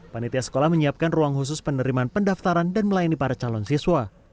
panitia sekolah menyiapkan ruang khusus penerimaan pendaftaran dan melayani para calon siswa